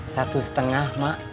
satu setengah mak